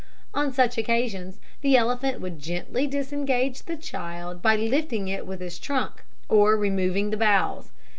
On such occasions the elephant would gently disengage the child, by lifting it with his trunk or removing the boughs.